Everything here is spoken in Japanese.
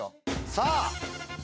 さあ。